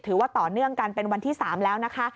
ต่อเนื่องกันเป็นวันที่๓แล้วนะคะ